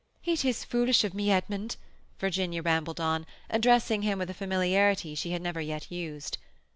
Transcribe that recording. "It is so foolish of me, Edmund," Virginia rambled on, addressing him with a familiarity she had never yet used.